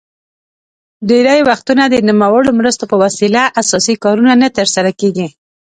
ډیری وختونه د نوموړو مرستو په وسیله اساسي کارونه نه تر سره کیږي.